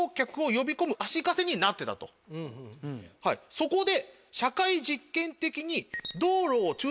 そこで。